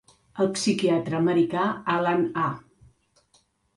El psiquiatre americà Alan A.